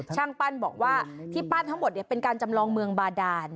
ช่างปั้นบอกว่าที่ปั้นทั้งหมดเป็นการจำลองเมืองบาดาน